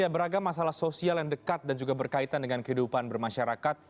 beragam masalah sosial yang dekat dan juga berkaitan dengan kehidupan bermasyarakat